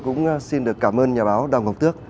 cũng xin được cảm ơn nhà báo đào ngọc tước